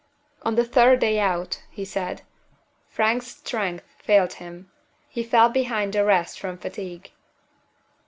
"On the third day out," he said, "Frank's strength failed him. He fell behind the rest from fatigue."